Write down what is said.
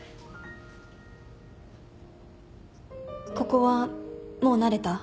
ここはもう慣れた？